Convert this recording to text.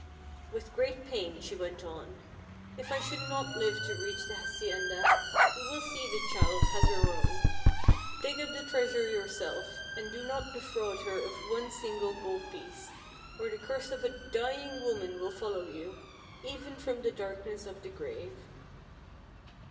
With great pain she went on: "If I should not live to reach the hacienda, you will see the child has her own. Dig up the treasure yourself, and do not defraud her of one single gold piece, or the curse of a dying woman will follow you, even from the darkness of the grave."